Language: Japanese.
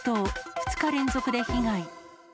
２日連続で被害。